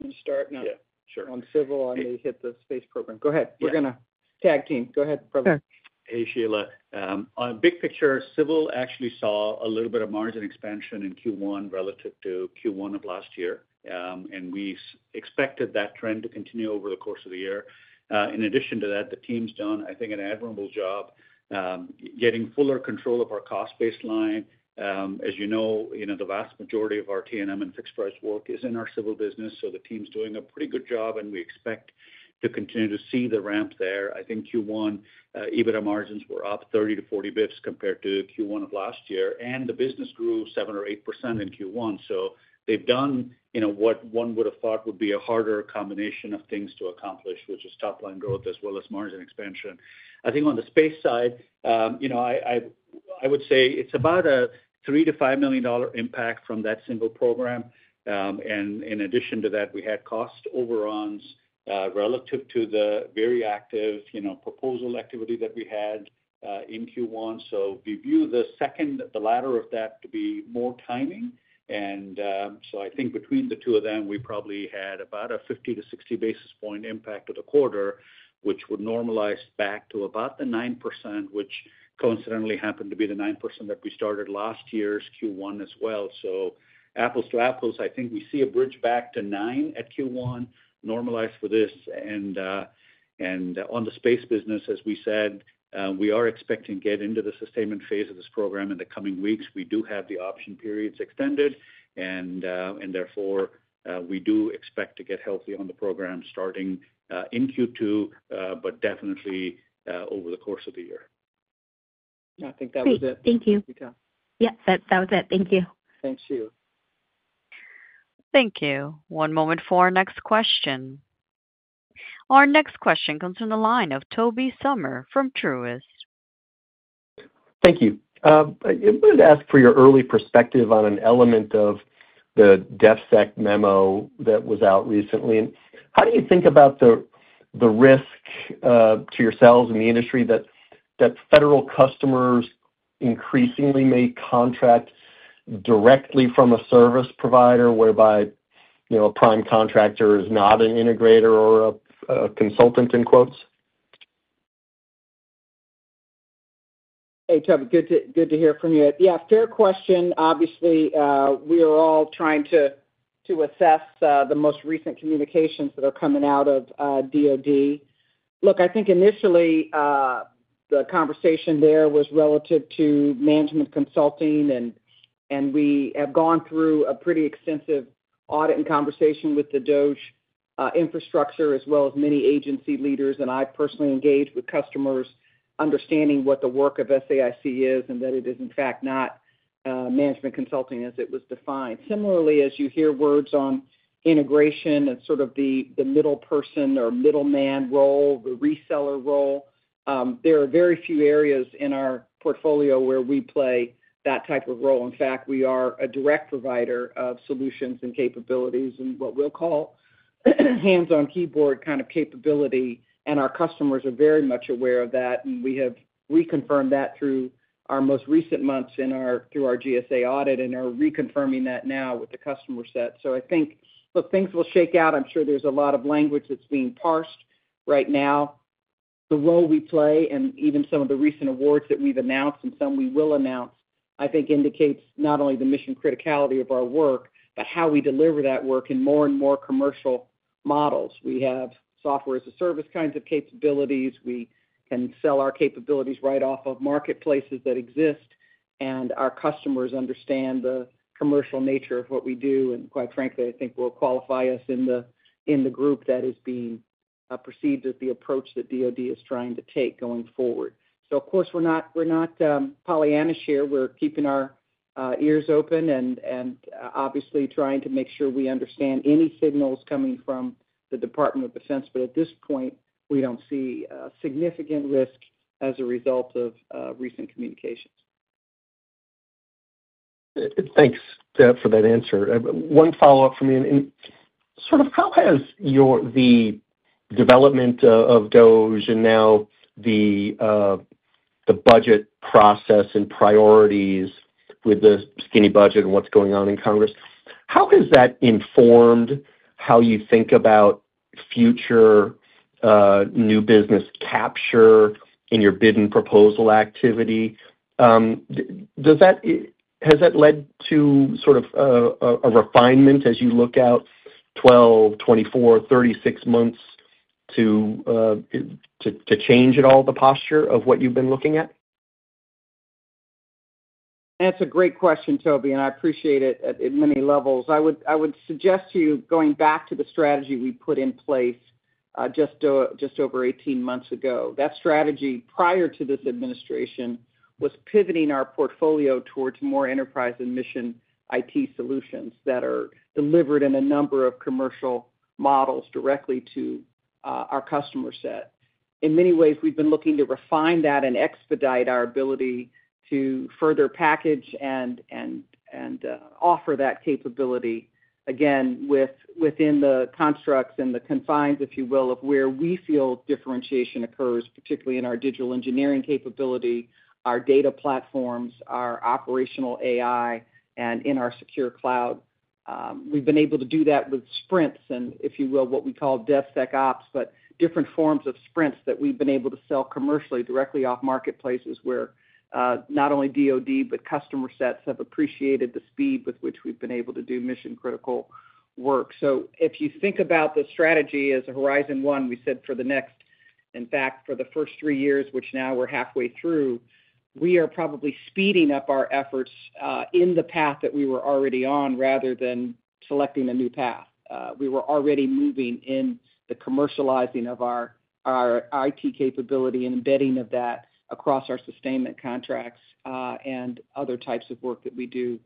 Speaker 3: Can you start?
Speaker 4: Yeah. Sure.
Speaker 3: On civil, I may hit the space program. Go ahead. We're going to tag team. Go ahead, Prabu.
Speaker 4: Hey, Sheila. On big picture, civil actually saw a little bit of margin expansion in Q1 relative to Q1 of last year, and we expected that trend to continue over the course of the year. In addition to that, the team's done, I think, an admirable job getting fuller control of our cost baseline. As you know, the vast majority of our TNM and fixed price work is in our civil business, so the team's doing a pretty good job, and we expect to continue to see the ramp there. I think Q1 EBITDA margins were up 30-40 basis points compared to Q1 of last year, and the business grew 7% or 8% in Q1. They have done what one would have thought would be a harder combination of things to accomplish, which is top-line growth as well as margin expansion. I think on the space side, I would say it's about a $3 million-$5 million impact from that single program. In addition to that, we had cost overruns relative to the very active proposal activity that we had in Q1. We view the second, the latter of that to be more timing. I think between the two of them, we probably had about a 50-60 basis point impact of the quarter, which would normalize back to about the 9%, which coincidentally happened to be the 9% that we started last year's Q1 as well. Apples to apples, I think we see a bridge back to 9 at Q1 normalized for this. On the space business, as we said, we are expecting to get into the sustainment phase of this program in the coming weeks. We do have the option periods extended, and therefore, we do expect to get healthy on the program starting in Q2, but definitely over the course of the year.
Speaker 3: I think that was it.
Speaker 8: Thank you. Yeah, that was it. Thank you.
Speaker 3: Thanks, Sheila.
Speaker 1: Thank you. One moment for our next question. Our next question comes from the line of Tobey Sommer from Truist.
Speaker 9: Thank you. I wanted to ask for your early perspective on an element of the DEFSEC memo that was out recently. How do you think about the risk to yourselves in the industry that federal customers increasingly may contract directly from a service provider, whereby a prime contractor is not an integrator or a consultant in quotes?
Speaker 3: Hey, Toby, good to hear from you. Yeah, fair question. Obviously, we are all trying to assess the most recent communications that are coming out of DoD. Look, I think initially, the conversation there was relative to management consulting, and we have gone through a pretty extensive audit and conversation with the DOGE infrastructure, as well as many agency leaders. And I personally engaged with customers understanding what the work of SAIC is and that it is, in fact, not management consulting as it was defined. Similarly, as you hear words on integration and sort of the middle person or middleman role, the reseller role, there are very few areas in our portfolio where we play that type of role. In fact, we are a direct provider of solutions and capabilities and what we'll call hands-on keyboard kind of capability. Our customers are very much aware of that, and we have reconfirmed that through our most recent months through our GSA audit and are reconfirming that now with the customer set. I think, look, things will shake out. I'm sure there's a lot of language that's being parsed right now. The role we play and even some of the recent awards that we've announced and some we will announce, I think, indicates not only the mission criticality of our work, but how we deliver that work in more and more commercial models. We have software-as-a-service kinds of capabilities. We can sell our capabilities right off of marketplaces that exist, and our customers understand the commercial nature of what we do. Quite frankly, I think we'll qualify us in the group that is being perceived as the approach that DoD is trying to take going forward. Of course, we're not Pollyanna's here. We're keeping our ears open and obviously trying to make sure we understand any signals coming from the Department of Defense. At this point, we don't see significant risk as a result of recent communications.
Speaker 9: Thanks for that answer. One follow-up for me. Sort of how has the development of DOGE and now the budget process and priorities with the skinny budget and what's going on in Congress, how has that informed how you think about future new business capture in your bid and proposal activity? Has that led to sort of a refinement as you look out 12, 24, 36 months to change at all the posture of what you've been looking at?
Speaker 3: That's a great question, Tobey, and I appreciate it at many levels. I would suggest to you going back to the strategy we put in place just over 18 months ago. That strategy prior to this administration was pivoting our portfolio towards more enterprise and mission IT solutions that are delivered in a number of commercial models directly to our customer set. In many ways, we've been looking to refine that and expedite our ability to further package and offer that capability, again, within the constructs and the confines, if you will, of where we feel differentiation occurs, particularly in our digital engineering capability, our data platforms, our operational AI, and in our secure cloud. We've been able to do that with sprints and, if you will, what we call DEFSEC ops, but different forms of sprints that we've been able to sell commercially directly off marketplaces where not only DoD, but customer sets have appreciated the speed with which we've been able to do mission-critical work. If you think about the strategy as a horizon one, we said for the next, in fact, for the first three years, which now we're halfway through, we are probably speeding up our efforts in the path that we were already on rather than selecting a new path. We were already moving in the commercializing of our IT capability and embedding of that across our sustainment contracts and other types of work that we do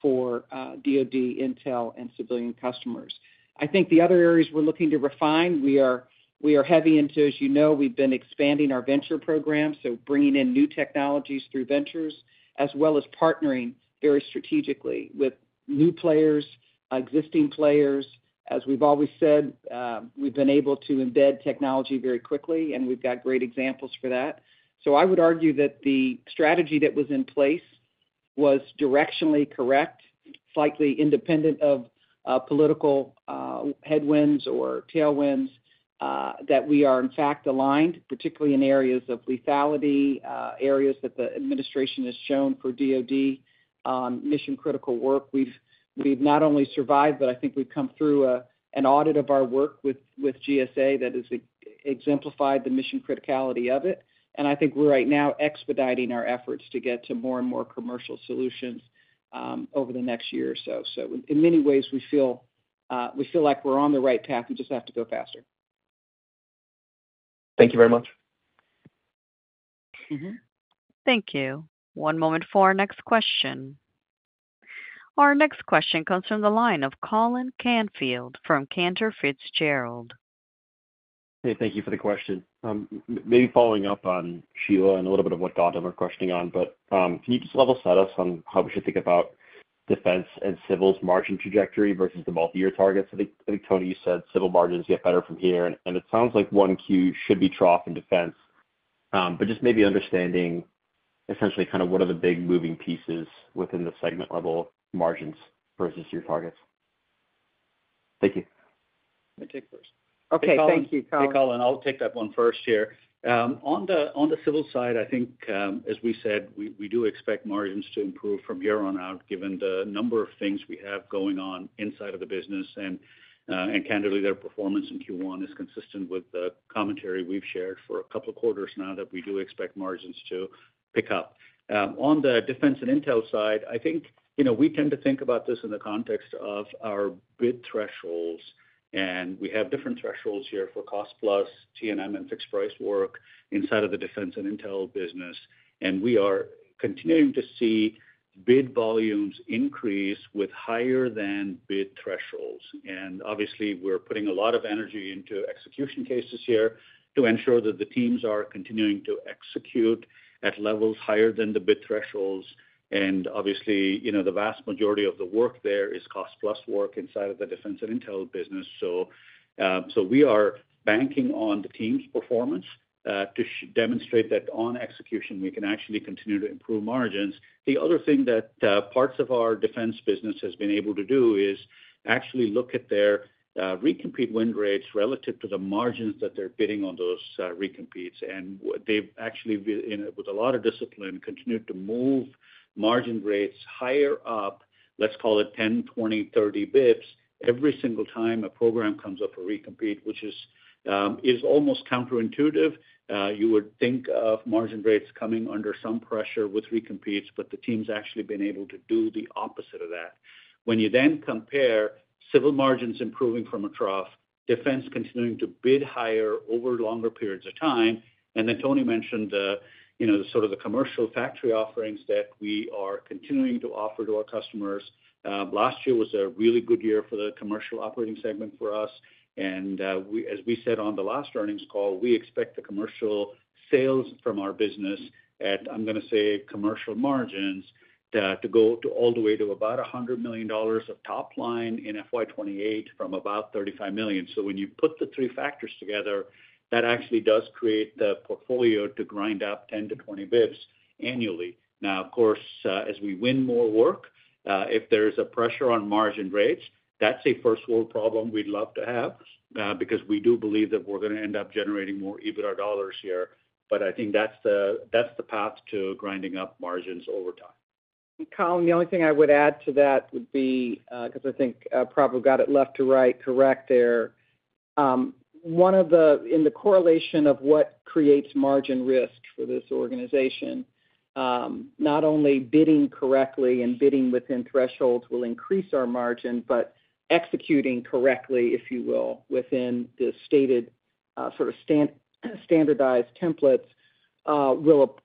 Speaker 3: for DoD, Intel, and civilian customers. I think the other areas we're looking to refine, we are heavy into, as you know, we've been expanding our venture program, so bringing in new technologies through ventures, as well as partnering very strategically with new players, existing players. As we've always said, we've been able to embed technology very quickly, and we've got great examples for that. I would argue that the strategy that was in place was directionally correct, slightly independent of political headwinds or tailwinds, that we are, in fact, aligned, particularly in areas of lethality, areas that the administration has shown for DoD on mission-critical work. We've not only survived, but I think we've come through an audit of our work with GSA that has exemplified the mission criticality of it. I think we're right now expediting our efforts to get to more and more commercial solutions over the next year or so. In many ways, we feel like we're on the right path. We just have to go faster.
Speaker 9: Thank you very much.
Speaker 1: Thank you. One moment for our next question. Our next question comes from the line of Colin Canfield from Cantor Fitzgerald.
Speaker 10: Hey, thank you for the question. Maybe following up on Sheila and a little bit of what Gautam was questioning on, but can you just level set us on how we should think about defense and civil's margin trajectory versus the multi-year targets? I think, Toni, you said civil margins get better from here, and it sounds like one Q should be trough in defense, but just maybe understanding essentially kind of what are the big moving pieces within the segment-level margins versus your targets. Thank you.
Speaker 4: Let me take it first.
Speaker 3: Okay. Thank you, Colin.
Speaker 4: Hey, Colin, I'll take that one first here. On the civil side, I think, as we said, we do expect margins to improve from here on out given the number of things we have going on inside of the business. And candidly, their performance in Q1 is consistent with the commentary we've shared for a couple of quarters now that we do expect margins to pick up. On the defense and intel side, I think we tend to think about this in the context of our bid thresholds, and we have different thresholds here for cost-plus TNM and fixed price work inside of the defense and intel business. And we are continuing to see bid volumes increase with higher than bid thresholds. And obviously, we're putting a lot of energy into execution cases here to ensure that the teams are continuing to execute at levels higher than the bid thresholds. Obviously, the vast majority of the work there is cost-plus work inside of the defense and intel business. We are banking on the team's performance to demonstrate that on execution, we can actually continue to improve margins. The other thing that parts of our defense business have been able to do is actually look at their recompete win rates relative to the margins that they're bidding on those recompetes. They have actually, with a lot of discipline, continued to move margin rates higher up, let's call it 10, 20, 30 basis points every single time a program comes up for recompete, which is almost counterintuitive. You would think of margin rates coming under some pressure with recompetes, but the team's actually been able to do the opposite of that. When you then compare civil margins improving from a trough, defense continuing to bid higher over longer periods of time, and then Toni mentioned sort of the commercial factory offerings that we are continuing to offer to our customers. Last year was a really good year for the commercial operating segment for us. As we said on the last earnings call, we expect the commercial sales from our business at, I'm going to say, commercial margins to go all the way to about $100 million of top line in FY 2028 from about $35 million. When you put the three factors together, that actually does create the portfolio to grind up 10-20 basis points annually. Now, of course, as we win more work, if there's a pressure on margin rates, that's a first-world problem we'd love to have because we do believe that we're going to end up generating more EBITDA dollars here. I think that's the path to grinding up margins over time.
Speaker 3: Colin, the only thing I would add to that would be, because I think Prabu got it left to right correct there, in the correlation of what creates margin risk for this organization, not only bidding correctly and bidding within thresholds will increase our margin, but executing correctly, if you will, within the stated sort of standardized templates will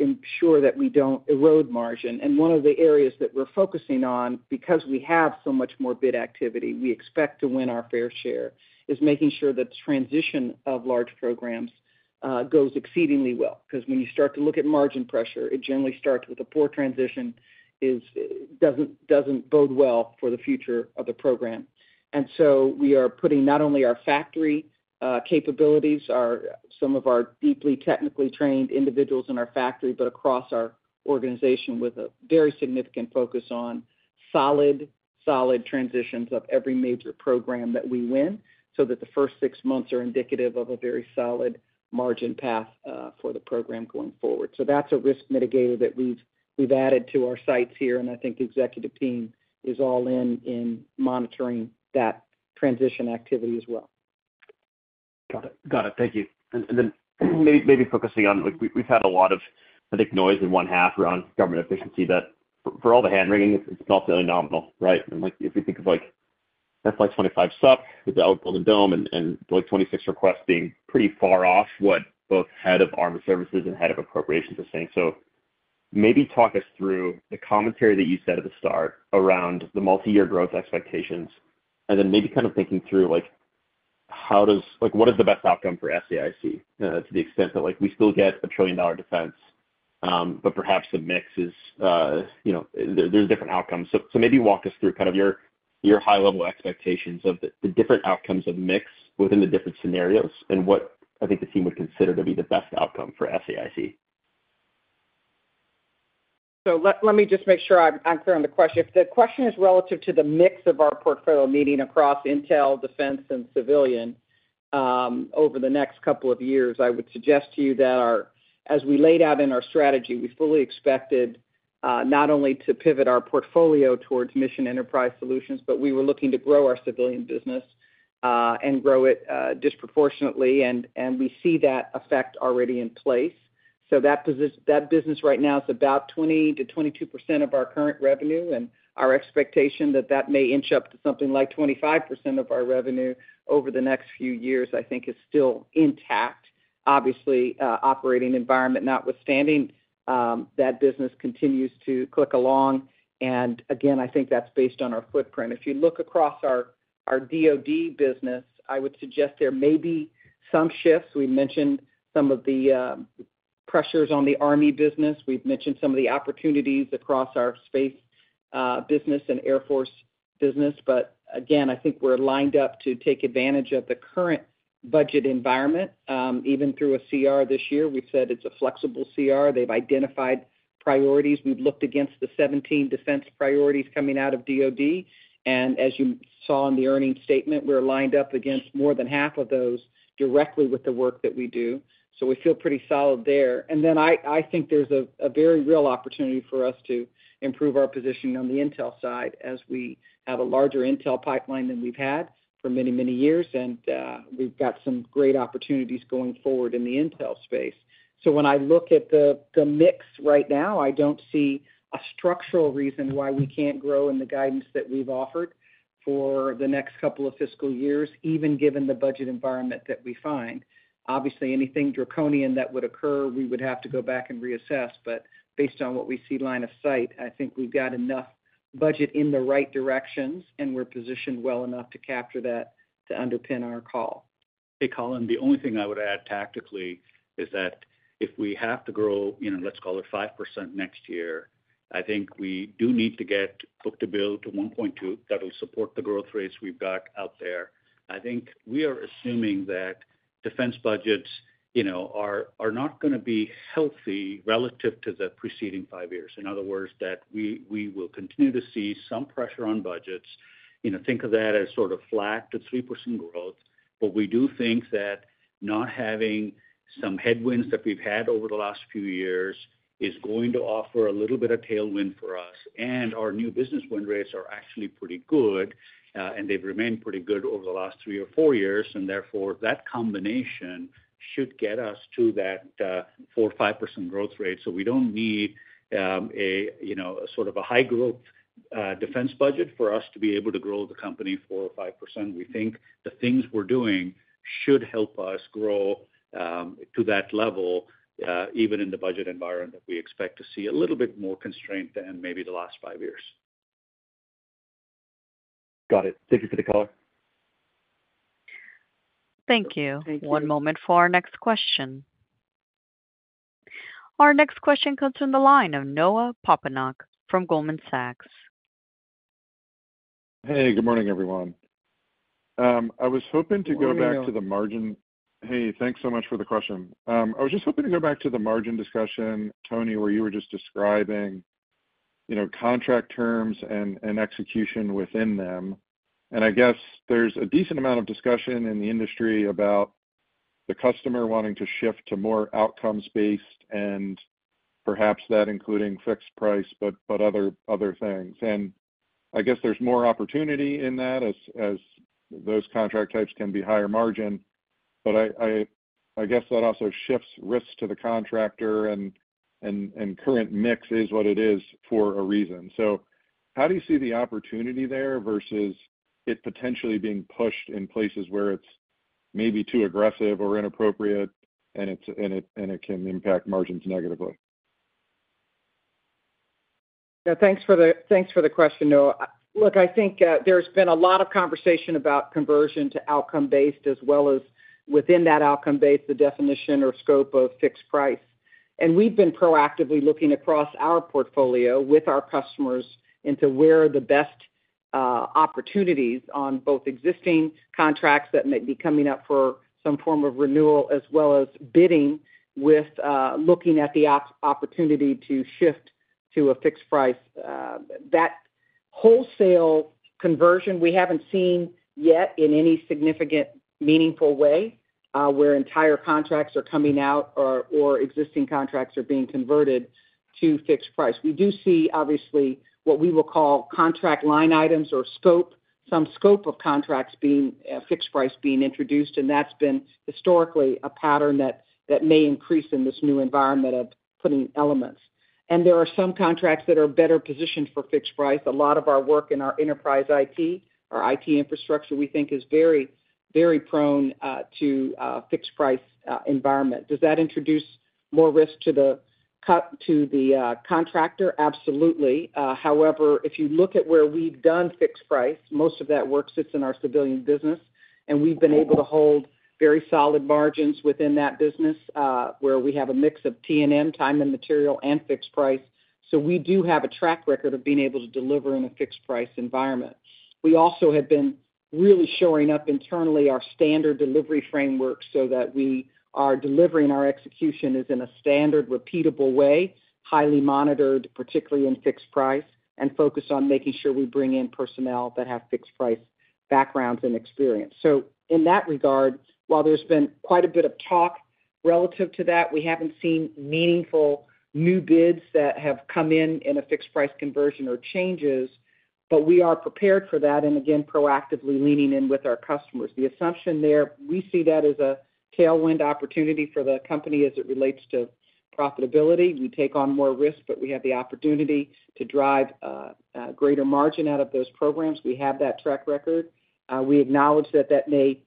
Speaker 3: ensure that we don't erode margin. One of the areas that we're focusing on, because we have so much more bid activity, we expect to win our fair share, is making sure that the transition of large programs goes exceedingly well. Because when you start to look at margin pressure, it generally starts with a poor transition, doesn't bode well for the future of the program. We are putting not only our factory capabilities, some of our deeply technically trained individuals in our factory, but across our organization with a very significant focus on solid, solid transitions of every major program that we win so that the first six months are indicative of a very solid margin path for the program going forward. That is a risk mitigator that we have added to our sites here. I think the executive team is all in monitoring that transition activity as well.
Speaker 10: Got it. Got it. Thank you. Maybe focusing on, we've had a lot of, I think, noise in one half around government efficiency that for all the hand-wringing, it's not fairly nominal, right? If you think of that's like 25 SUP with the outbuilding dome and 26 requests being pretty far off what both Head of Armor Services and Head of Appropriations are saying. Maybe talk us through the commentary that you said at the start around the multi-year growth expectations, and then maybe kind of thinking through what is the best outcome for SAIC to the extent that we still get a trillion-dollar defense, but perhaps the mix is there's different outcomes. Maybe walk us through kind of your high-level expectations of the different outcomes of mix within the different scenarios and what I think the team would consider to be the best outcome for SAIC.
Speaker 3: Let me just make sure I'm clear on the question. If the question is relative to the mix of our portfolio meeting across intel, defense, and civilian over the next couple of years, I would suggest to you that as we laid out in our strategy, we fully expected not only to pivot our portfolio towards mission enterprise solutions, but we were looking to grow our civilian business and grow it disproportionately. We see that effect already in place. That business right now is about 20%-22% of our current revenue. Our expectation that that may inch up to something like 25% of our revenue over the next few years, I think, is still intact. Obviously, operating environment notwithstanding, that business continues to click along. Again, I think that's based on our footprint. If you look across our DoD business, I would suggest there may be some shifts. We mentioned some of the pressures on the Army business. We have mentioned some of the opportunities across our space business and Air Force business. I think we are lined up to take advantage of the current budget environment. Even through a CR this year, we have said it is a flexible CR. They have identified priorities. We have looked against the 17 defense priorities coming out of DoD. As you saw in the earnings statement, we are lined up against more than half of those directly with the work that we do. We feel pretty solid there. I think there is a very real opportunity for us to improve our positioning on the intel side as we have a larger intel pipeline than we have had for many, many years. We have got some great opportunities going forward in the intel space. When I look at the mix right now, I do not see a structural reason why we cannot grow in the guidance that we have offered for the next couple of fiscal years, even given the budget environment that we find. Obviously, anything draconian that would occur, we would have to go back and reassess. Based on what we see line of sight, I think we have got enough budget in the right directions, and we are positioned well enough to capture that to underpin our call.
Speaker 4: Hey, Colin, the only thing I would add tactically is that if we have to grow, let's call it 5% next year, I think we do need to get book-to-bill to 1.2 that will support the growth rates we've got out there. I think we are assuming that defense budgets are not going to be healthy relative to the preceding five years. In other words, that we will continue to see some pressure on budgets. Think of that as sort of flat to 3% growth. We do think that not having some headwinds that we've had over the last few years is going to offer a little bit of tailwind for us. Our new business win rates are actually pretty good, and they've remained pretty good over the last three or four years. That combination should get us to that 4%-5% growth rate. We do not need a sort of a high-growth defense budget for us to be able to grow the company 4%-5%. We think the things we are doing should help us grow to that level, even in the budget environment that we expect to see a little bit more constraint than maybe the last five years.
Speaker 10: Got it. Thank you for the call.
Speaker 1: Thank you. One moment for our next question. Our next question comes from the line of Noah Poponak from Goldman Sachs.
Speaker 11: Hey, good morning, everyone. I was hoping to go back to the margin. Hey, thanks so much for the question. I was just hoping to go back to the margin discussion, Toni, where you were just describing contract terms and execution within them. I guess there's a decent amount of discussion in the industry about the customer wanting to shift to more outcomes-based and perhaps that including fixed price, but other things. I guess there's more opportunity in that as those contract types can be higher margin. I guess that also shifts risks to the contractor, and current mix is what it is for a reason. How do you see the opportunity there versus it potentially being pushed in places where it's maybe too aggressive or inappropriate, and it can impact margins negatively?
Speaker 3: Yeah, thanks for the question, Noah. Look, I think there's been a lot of conversation about conversion to outcome-based as well as within that outcome-based, the definition or scope of fixed price. We've been proactively looking across our portfolio with our customers into where are the best opportunities on both existing contracts that may be coming up for some form of renewal as well as bidding with looking at the opportunity to shift to a fixed price. That wholesale conversion, we haven't seen yet in any significant, meaningful way where entire contracts are coming out or existing contracts are being converted to fixed price. We do see, obviously, what we will call contract line items or some scope of contracts being fixed price being introduced. That's been historically a pattern that may increase in this new environment of putting elements. There are some contracts that are better positioned for fixed price. A lot of our work in our enterprise IT, our IT infrastructure, we think is very, very prone to a fixed price environment. Does that introduce more risk to the contractor? Absolutely. However, if you look at where we've done fixed price, most of that work sits in our civilian business. We've been able to hold very solid margins within that business where we have a mix of TNM, time and material, and fixed price. We do have a track record of being able to deliver in a fixed price environment. We also have been really showing up internally our standard delivery framework so that our delivery and our execution is in a standard, repeatable way, highly monitored, particularly in fixed price, and focused on making sure we bring in personnel that have fixed price backgrounds and experience. In that regard, while there's been quite a bit of talk relative to that, we haven't seen meaningful new bids that have come in in a fixed price conversion or changes. We are prepared for that and, again, proactively leaning in with our customers. The assumption there, we see that as a tailwind opportunity for the company as it relates to profitability. We take on more risk, but we have the opportunity to drive greater margin out of those programs. We have that track record. We acknowledge that the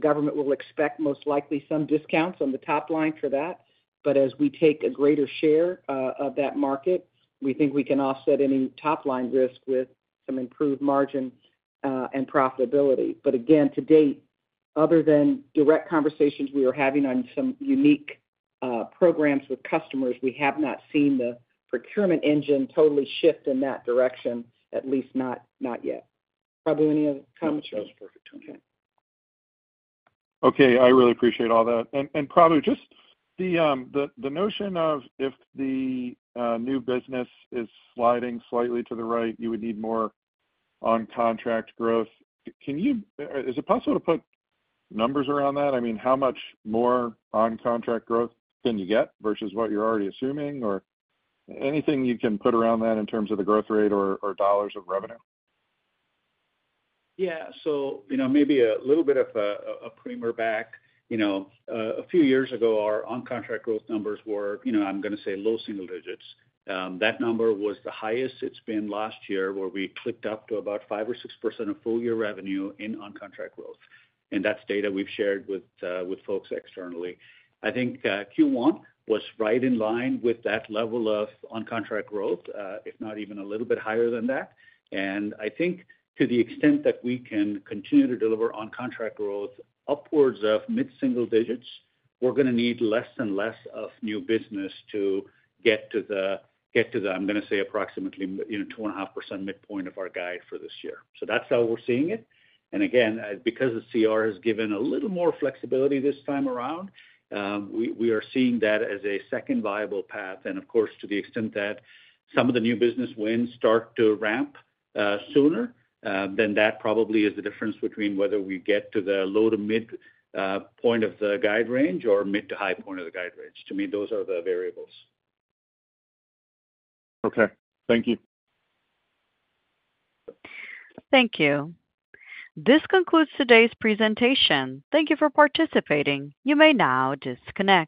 Speaker 3: government will expect most likely some discounts on the top line for that. As we take a greater share of that market, we think we can offset any top line risk with some improved margin and profitability. Again, to date, other than direct conversations we were having on some unique programs with customers, we have not seen the procurement engine totally shift in that direction, at least not yet. Prabu, any other comments?
Speaker 4: That's perfect. Okay.
Speaker 11: Okay. I really appreciate all that. Prabu, just the notion of if the new business is sliding slightly to the right, you would need more on-contract growth. Is it possible to put numbers around that? I mean, how much more on-contract growth can you get versus what you're already assuming or anything you can put around that in terms of the growth rate or dollars of revenue?
Speaker 4: Yeah. Maybe a little bit of a primer back. A few years ago, our on-contract growth numbers were, I'm going to say, low single-digits. That number was the highest it's been last year, where we clicked up to about 5% or 6% of full-year revenue in on-contract growth. That's data we've shared with folks externally. I think Q1 was right in line with that level of on-contract growth, if not even a little bit higher than that. I think to the extent that we can continue to deliver on-contract growth upwards of mid-single digits, we're going to need less and less of new business to get to the, I'm going to say, approximately 2.5% midpoint of our guide for this year. That's how we're seeing it. Again, because the CR has given a little more flexibility this time around, we are seeing that as a second viable path. Of course, to the extent that some of the new business wins start to ramp sooner, then that probably is the difference between whether we get to the low to midpoint of the guide range or mid to high point of the guide range. To me, those are the variables.
Speaker 11: Okay. Thank you.
Speaker 1: Thank you. This concludes today's presentation. Thank you for participating. You may now disconnect.